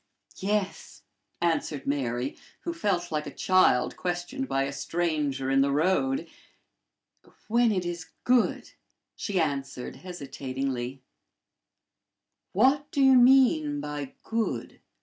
"Yes," answered Mary, who felt like a child questioned by a stranger in the road; " when it is good," she added, hesitatingly. "What do you mean by good?"